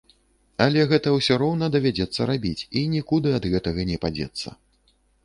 Але гэта ўсё роўна давядзецца рабіць, і нікуды ад гэтага не падзецца.